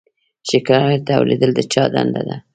شکایت اوریدل د چا دنده ده؟